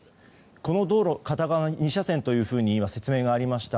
この道路、片側２車線と今、説明がありました。